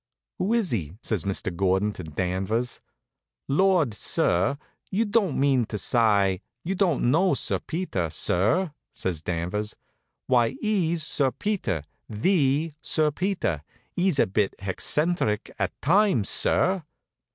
"Who is he?" says Mr. Gordon to Danvers. "Lord, sir, you don't mean to sye you don't know Sir Peter, sir?" says Danvers. "Why, 'e's Sir Peter the Sir Peter. 'E's a bit heccentric at times, sir."